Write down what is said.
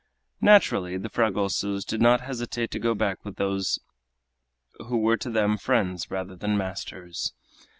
Naturally the Fragosos did not hesitate to go back with those who were to them friends rather than masters.